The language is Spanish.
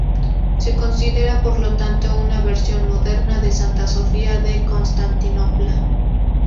Se considera, por lo tanto, una versión moderna de Santa Sofía de Constantinopla.